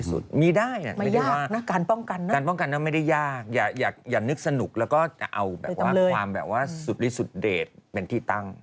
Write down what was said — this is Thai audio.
ส่วนทวิตเตอร์ที่ขุดว่ากับแฟนเก่ามิ้งเคยทำแบบนี้เหมือนกัน